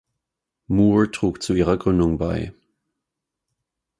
Moore trug zu ihrer Gründung bei.